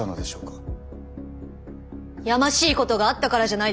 やましいことがあったからじゃないですか。